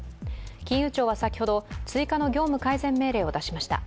金融庁は先ほど、追加の業務改善命令を出しました。